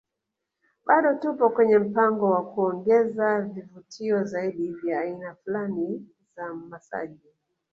Bado tupo kwenye mpango wa kuongeza vivutio zaidi vya aina fulani za masaji